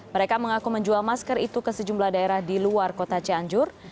mereka mengaku menjual masker itu ke sejumlah daerah di luar kota cianjur